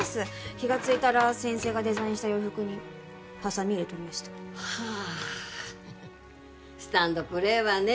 気がついたら先生がデザインした洋服にハサミ入れとりましたはスタンドプレーはね